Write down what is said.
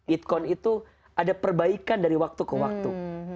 itkon itu ada perbaikan dari waktu ke waktu